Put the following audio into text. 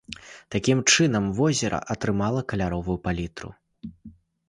Такім чынам возера атрымала каляровую палітру.